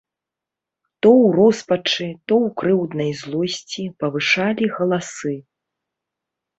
То ў роспачы, то ў крыўднай злосці павышалі галасы.